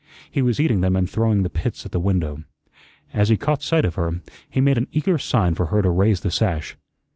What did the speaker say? He was eating them and throwing the pits at the window. As he caught sight of her, he made an eager sign for her to raise the sash.